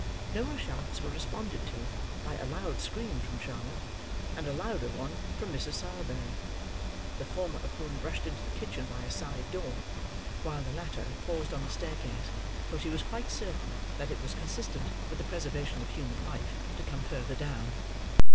Noah's shouts were responded to, by a loud scream from Charlotte, and a louder from Mrs. Sowerberry; the former of whom rushed into the kitchen by a side door, while the latter paused on the staircase till she was quite certain that it was consistent with the preservation of human life, to come further down.